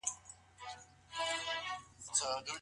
تدریسي نصاب په ناقانونه توګه نه جوړیږي.